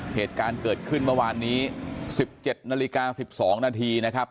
เหตุการณ์เกิดขึ้นเมื่อวานนี้สิบเจ็ดนาฬิกาสิบสองนาทีนะครับ